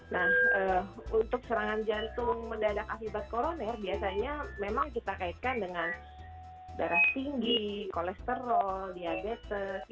nah untuk serangan jantung mendadak akibat koroner biasanya memang kita kaitkan dengan darah tinggi kolesterol diabetes